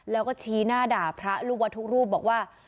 แล้วก็ชี้หน้าด่าพระลูกวัดทุกรูปบอกว่า